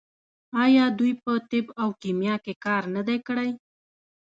آیا دوی په طب او کیمیا کې کار نه دی کړی؟